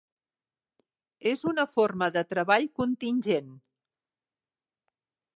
És una forma de treball contingent.